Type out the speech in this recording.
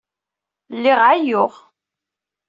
Lliɣ ɛeyyuɣ.